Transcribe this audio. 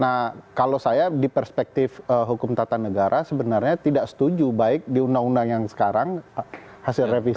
nah kalau saya di perspektif hukum tata negara sebenarnya tidak setuju baik di undang undang yang sekarang hasil revisi